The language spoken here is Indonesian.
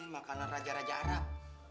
makanan raja raja arab